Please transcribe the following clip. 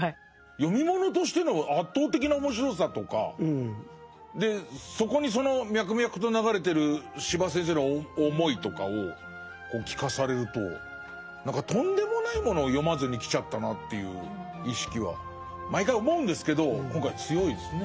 読み物としての圧倒的な面白さとかそこにその脈々と流れてる司馬先生の思いとかを聞かされると何かとんでもないものを読まずにきちゃったなっていう意識は毎回思うんですけど今回強いですね。